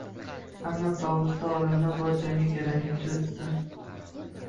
Ammo tovusda olamda bor jamiki rangni uchratasan